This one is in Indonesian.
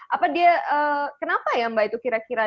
apa dia kenapa ya mbak itu kira kira